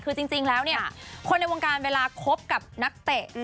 คือจริงคนในวงการเวลาครบกับนักเตะ